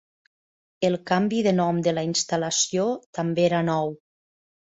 El canvi de nom de la instal·lació també era nou.